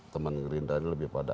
teman gerindra ini lebih pada